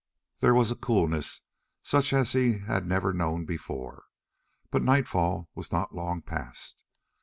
There was coolness such as he had never known before, but nightfall was not long past.